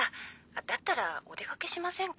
だったらお出掛けしませんか？